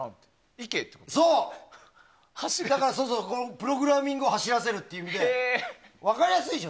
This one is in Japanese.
プログラミングを走らせるって意味で分かりやすいでしょ。